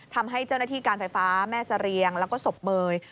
ทำให้เจ้าหน้าที่การไฟฟ้าแม่เสรียงแล้วก็ศพเมย